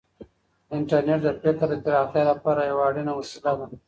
انټرنیټ د فکر د پراختیا لپاره یوه اړینه وسیله ده.